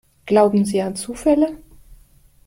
Glauben Sie an Zufälle?